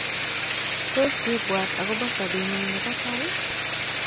tos kiibwat akobo sobeng'ung' nebo tai?